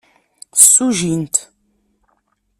Ssujjin-t.